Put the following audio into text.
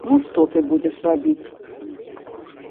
Ну, што ты будзеш рабіць!